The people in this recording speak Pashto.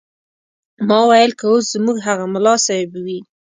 ما ویل که اوس زموږ هغه ملا صیب وي.